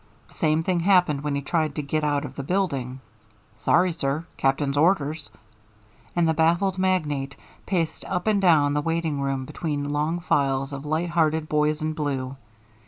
The same thing happened when he tried to get out of the building "Sorry, sir. Captain's orders" and the baffled magnate paced up and down the waiting room between long files of light hearted boys in blue.